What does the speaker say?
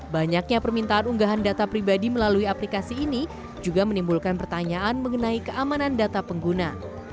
banyaknya permintaan unggahan data pribadi melalui aplikasi ini juga menimbulkan pertanyaan mengenai keamanan data pengguna